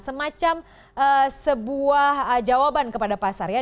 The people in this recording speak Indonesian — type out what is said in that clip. semacam sebuah jawaban kepada pasar ya